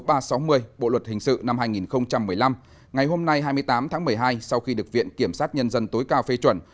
bộ luật hình sự năm hai nghìn một mươi năm ngày hôm nay hai mươi tám tháng một mươi hai sau khi được viện kiểm sát nhân dân tối cao phê chuẩn